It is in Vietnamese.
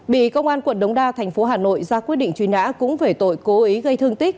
bị công an quận đống đa thành phố hà nội ra quyết định truy nã cũng về tội cố ý gây thương tích